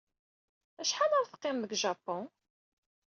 Acḥal ara teqqimeḍ deg Japun?